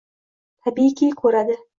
Tabiiyki, ko'radi.